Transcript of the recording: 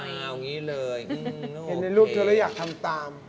เห็นในรูปด้วยอยากทำตาม